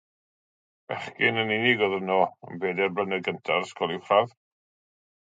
Bechgyn yn unig oedd yno am bedair blynedd gyntaf yr ysgol uwchradd.